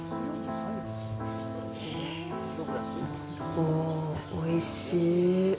おお、おいしい。